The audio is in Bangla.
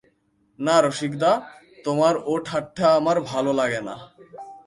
না রসিকদাদা, তোমার ও ঠাট্টা আমার ভালো লাগে না।